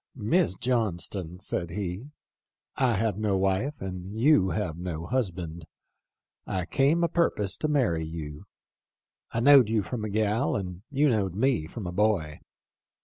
^ Miss John ston,' said he, ' I have no wife and you no husband. I came a purpose to marry you. I knowed you from a gal and you knowed me from a boy.